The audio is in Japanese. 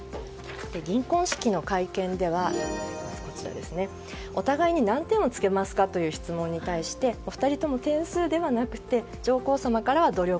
銀婚式の会見では、お互いに何点をつけますかという質問に対して２人とも点数ではなくて上皇さまからは努力